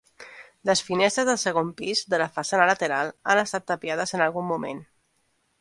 Les finestres del segon pis de la façana lateral han estat tapiades en algun moment.